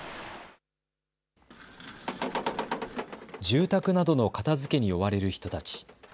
住宅などの片づけに追われる人たち。